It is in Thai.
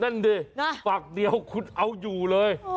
นั่นดิฝากเดียวคุณเอาอยู่เลย